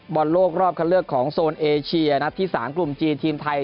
บอลโลกรอบคันเลือกของโซนเอเชียนัดที่๓กลุ่มจีนทีมไทย